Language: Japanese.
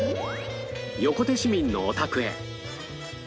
横手市民のお宅へ